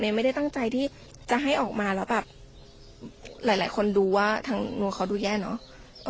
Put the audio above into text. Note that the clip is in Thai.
ไม่ได้ตั้งใจที่จะให้ออกมาแล้วแบบหลายคนดูว่าทั้งนวงเขาดูแย่เนอะ